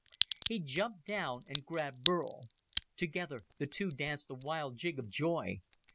He jumped down and grabbed Burl. Together, the two danced a wild jig of joy.